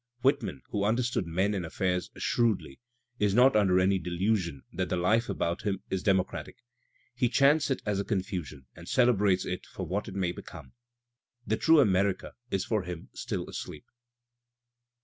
Whitman, who understood men and affairs shrewdly. Digitized by Google WHITMAN 215 is not under any delusion that the lite about him is democratic. He chants it as a confusion, and celebrates it for what it may become. The true America is for him still asleep.